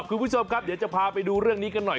คุณผู้ชมครับเดี๋ยวจะพาไปดูเรื่องนี้กันหน่อย